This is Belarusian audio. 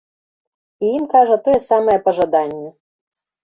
І ім кажа тое самае пажаданне.